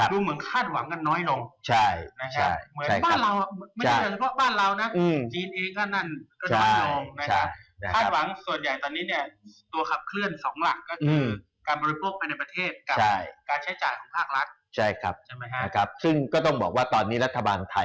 ดูเหมือนคาดหวังกันน้อยลง